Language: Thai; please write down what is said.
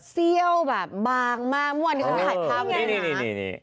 เซียวแบบบางมากวันนี้คุณถ่ายภาพให้นะ